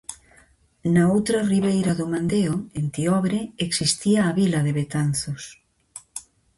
Na outra ribeira do Mandeo, en Tiobre, existía a vila de Betanzus.